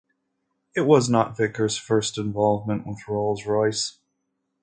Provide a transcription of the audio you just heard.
This was not Vickers' first involvement with Rolls-Royce.